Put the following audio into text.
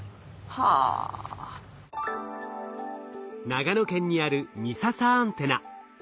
長野県にある美笹アンテナ。